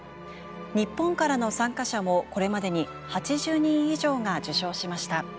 日本からの参加者もこれまでに８０人以上が受賞しました。